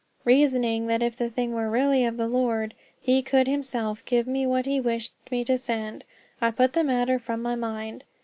Reasoning that if the thing were really of the Lord he could himself give me what he wished me to send, I put the matter from my mind.